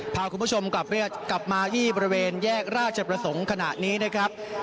พาคุณผู้ชมกลับมาที่บริเวณแยกราชประสงค์ขณะนี้นะครับ